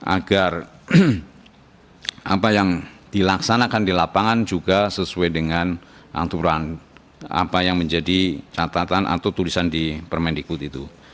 agar apa yang dilaksanakan di lapangan juga sesuai dengan aturan apa yang menjadi catatan atau tulisan di permendikbud itu